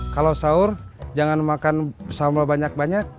kalau sahur jangan makan bersama banyak banyak